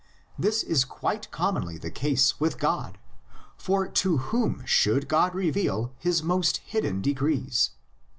This is quite commonly the case with God; for to whom should God reveal his most hidden decrees?